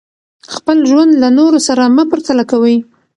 خپل ژوند له نورو سره مه پرتله کوئ.